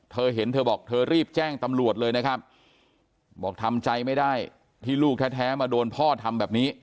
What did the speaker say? เธอเห็นเธอบอกเธอรีบแจ้งตำรวจเลยนะครับบอกทำใจไม่ได้ที่ลูกแท้มาโดนพ่อทำแบบนี้